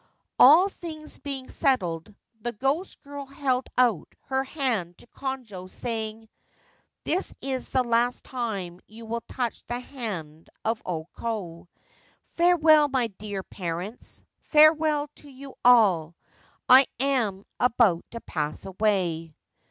All things being settled, the ghost girl held out her hand to Konojo saying : 1 This is the last time you will touch the hand of O Ko. Farewell, my dear parents ! Farewell to you all ! I am about to pass away.'